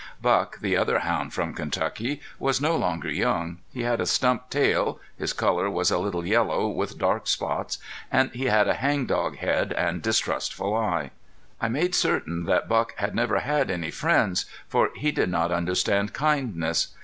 Buck, the other hound from Kentucky, was no longer young; he had a stump tail; his color was a little yellow with dark spots, and he had a hang dog head and distrustful eye. I made certain that Buck had never had any friends, for he did not understand kindness.